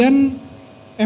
m cash kan aktif